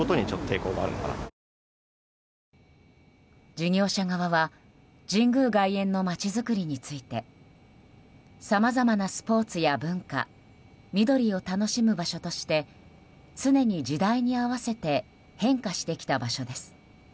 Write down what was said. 事業者側は神宮外苑の街づくりについてさまざまなスポーツや文化みどりを楽しむ場所として常に時代に合わせて変化してきた場所です。